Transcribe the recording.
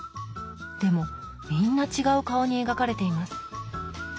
でもみんな違う顔に描かれています。